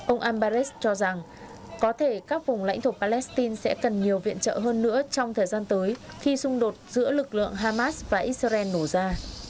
ông al bares cho rằng có thể các vùng lãnh thổ palestine sẽ cần nhiều viện trợ hơn nữa trong thời gian tới khi xung đột giữa lực lượng hamas và israel nổ ra